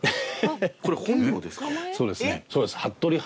これ本名ですか？